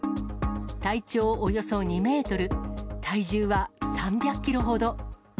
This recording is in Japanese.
体長およそ２メートル、体重は３００キロほど。